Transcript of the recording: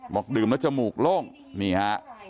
ดื่มแล้วจมูกโล่งนี่ฮะ